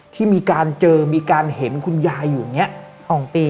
ที่มีการเจอมีการเห็นคุณยายอยู่อย่างนี้๒ปี